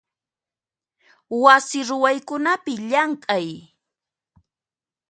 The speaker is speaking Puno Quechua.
Wasi ruwaykunapi llamk'ay.